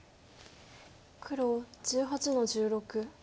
黒１８の十六。